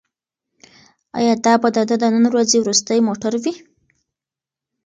ایا دا به د ده د نن ورځې وروستی موټر وي؟